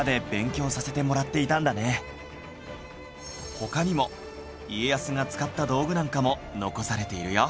他にも家康が使った道具なんかも残されているよ